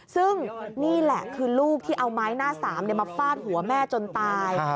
ซึ่งนี่แหละคือลูกที่เอาไม้หน้าสามมาฟาดหัวแม่จนตาย